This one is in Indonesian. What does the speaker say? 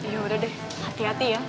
yaudah deh hati hati ya